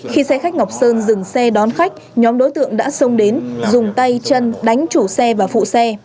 khi xe khách ngọc sơn dừng xe đón khách nhóm đối tượng đã xông đến dùng tay chân đánh chủ xe và phụ xe